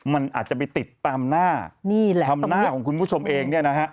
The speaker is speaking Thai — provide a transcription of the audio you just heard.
มันอาจจะไปติดตามหน้าตามหน้าของคุณผู้ชมเอง